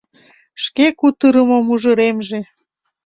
Шке кутырымо мужыремже.